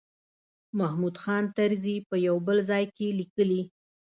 محمود خان طرزي په یو بل ځای کې لیکلي.